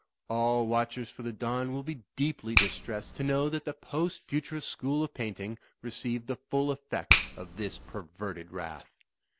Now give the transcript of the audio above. All watchers for the Dawn will be deeply distressed to know that the Post Futurist School of Painting received the full effects of this perverted wrath.